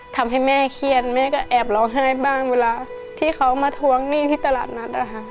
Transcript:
ทำให้แม่เครียดแม่ก็แอบร้องไห้บ้างเวลาที่เขามาทวงหนี้ที่ตลาดนัดนะคะ